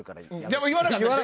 でも言わなかったよね。